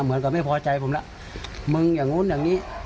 เหมือนกับไม่พอใจผมแล้วมึงอย่างนู้นอย่างนี้